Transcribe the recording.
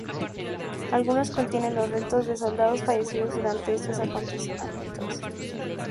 Algunos contienen los restos de soldados fallecidos durante estos acontecimientos.